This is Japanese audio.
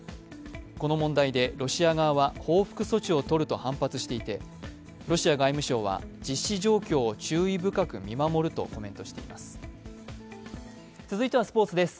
この問題でロシア側は報復措置をとると反発していてロシア外務省は、実施状況を注意深く見守るとコメントしています。